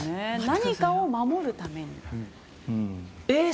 何かを守るために。